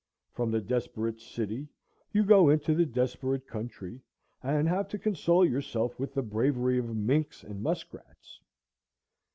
From the desperate city you go into the desperate country, and have to console yourself with the bravery of minks and muskrats.